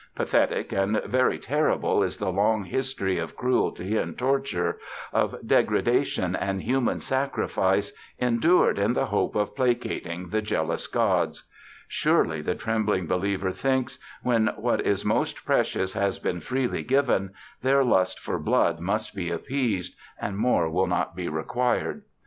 Pathetic and very terrible is the long history of cruelty and torture, of degradation and human sacrifice, endured in the hope of placating the jealous gods: surely, the trembling believer thinks, when what is most precious has been freely given, their lust for blood must be appeased, and more will not be required.